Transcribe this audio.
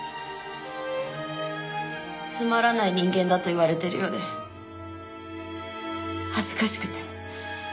つまらない人間だと言われてるようで恥ずかしくて。